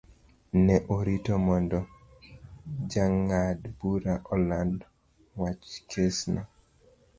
Ne orito mondo jang'ad-burano oland wach kesno.